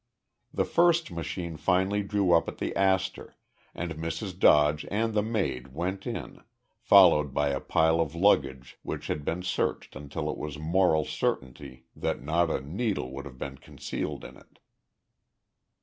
The first machine finally drew up at the Astor, and Mrs. Dodge and the maid went in, followed by a pile of luggage which had been searched until it was a moral certainty that not a needle would have been concealed in it.